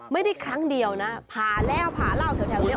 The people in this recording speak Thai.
ไม่ได้ครั้งเดียวนะผ่าแล้วผ่าเหล้าแถวนี้